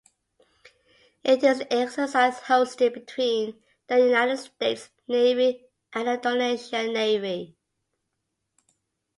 It is an exercise hosted between the United States Navy and the Indonesian Navy.